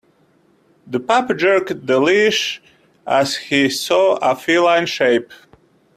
The pup jerked the leash as he saw a feline shape.